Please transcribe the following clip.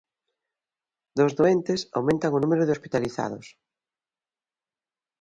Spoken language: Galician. Dos doentes, aumentan o número de hospitalizados.